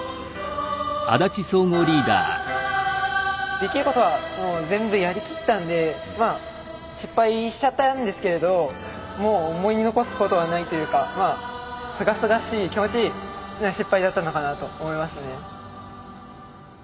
できることはもう全部やりきったんで失敗しちゃったんですけれどもう思い残すことはないというかすがすがしい気持ちいい失敗だったのかなと思いますね。